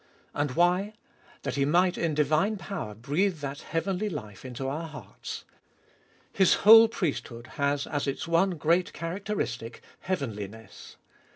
And why? That He might in divine power breathe that heavenly life into our heartu His whole priesthood has, as its one great characteristic, heavenli ness.